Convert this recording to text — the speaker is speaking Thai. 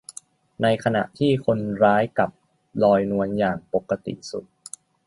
ในขณะที่คนร้ายกลับลอยนวลอย่างปกติสุข